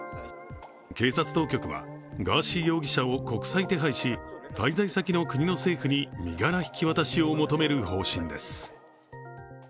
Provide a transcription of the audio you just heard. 警察当局は、ガーシー容疑者を国際手配し滞在先の国の政府に身柄引き渡しを求める方針です。